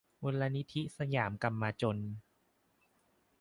มูลนิธิสยามกัมมาจล